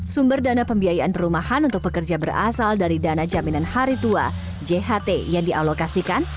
sumber dana pembiayaan perumahan untuk pekerja berasal dari dana jaminan hari tua jht yang dialokasikan